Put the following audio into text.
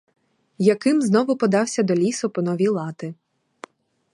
Яким знову подався до лісу по нові лати.